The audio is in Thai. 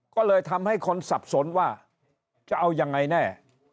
ก็เลยทำให้คนสับสนว่าจะเอายังไงแน่